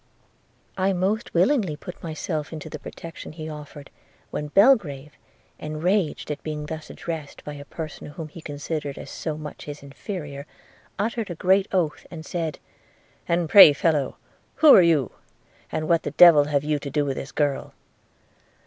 'I most willingly put myself into the protection he offered, when Belgrave, enraged at being thus addressed by a person whom he considered as so much his inferior, uttered a great oath, and said – 'And pray, fellow, who are you? and what the devil have you to do with this girl?'